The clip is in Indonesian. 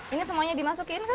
ini semuanya dimasukin kan